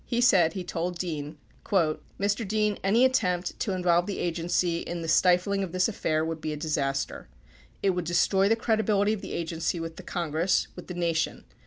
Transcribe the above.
He said he told Dean : Mr. Dean, any attempt to involve the Agency in the stifling of this affair would be a disaster. It would destroy the credibility of the Agency with the Congress, with the Na tion.